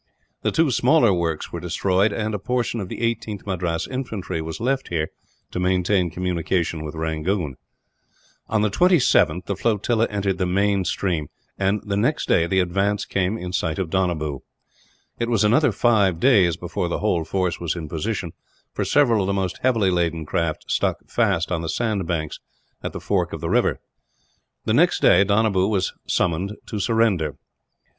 The two smaller works were destroyed, and a portion of the 18th Madras Infantry was left here, to maintain communication with Rangoon. On the 27th the flotilla entered the main stream and, the next day, the advance came in sight of Donabew. It was another five days before the whole force was in position, for several of the most heavily laden craft stuck fast on the sandbanks at the fork of the river. The next day Donabew was summoned to surrender.